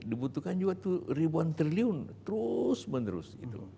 dibutuhkan juga tuh ribuan triliun terus menerus